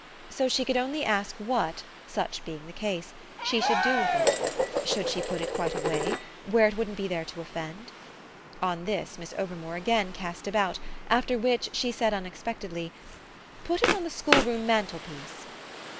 So she only could ask what, such being the case, she should do with it: should she put it quite away where it wouldn't be there to offend? On this Miss Overmore again cast about; after which she said unexpectedly: "Put it on the schoolroom mantelpiece."